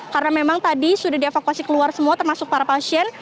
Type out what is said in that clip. karena memang tadi sudah dievakuasi keluar semua termasuk para pasien